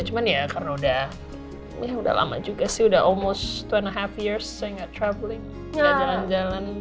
cuma ya karena udah ya udah lama juga sih udah almost dua and a half years saya nggak traveling nggak jalan jalan